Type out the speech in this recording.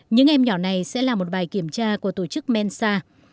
những em nhỏ này sẽ là một bài kiểm tra của tổ chức mensa